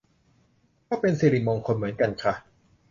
ก็เป็นสิริมงคลเหมือนกันค่ะ